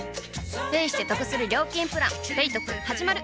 ペイしてトクする料金プラン「ペイトク」始まる！